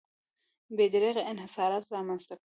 بې دریغه انحصارات رامنځته کړل.